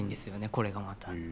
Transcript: これがまた。